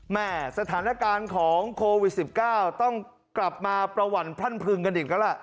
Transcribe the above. สถานการณ์ของโควิด๑๙ต้องกลับมาประหวั่นพรั่นพรึงกันอีกแล้วล่ะ